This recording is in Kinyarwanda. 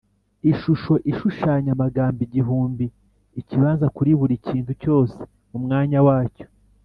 ishusho ishushanya amagambo igihumbi ikibanza kuri buri kintu cyose mumwanya wacyo